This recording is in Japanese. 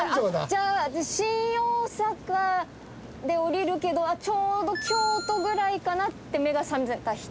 じゃあ新大阪で降りるけどちょうど京都ぐらいかな？って目が覚めた人。